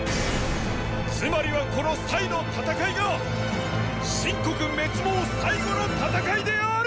つまりはこのの戦いが秦国滅亡最後の戦いである！